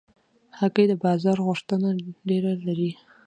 هګۍ د بازار غوښتنه ډېره لري.